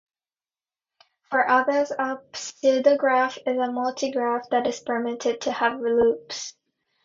For others, a pseudograph is a multigraph that is permitted to have loops.